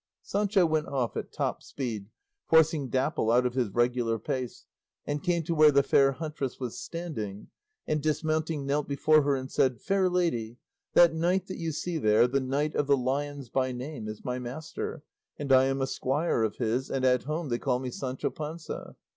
Sancho went off at top speed, forcing Dapple out of his regular pace, and came to where the fair huntress was standing, and dismounting knelt before her and said, "Fair lady, that knight that you see there, the Knight of the Lions by name, is my master, and I am a squire of his, and at home they call me Sancho Panza.